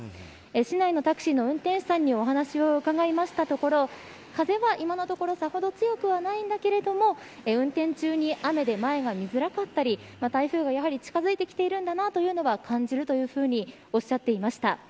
市内のタクシーの運転手さんにお話を伺いましたところ風は、今のところさほど強くはないんだけれども運転中に雨で前が見ずらかったり台風が近づいてきているんだなというのが感じるというふうにおっしゃっていました。